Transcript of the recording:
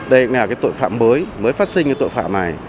đây là cái tội phạm mới mới phát sinh cái tội phạm này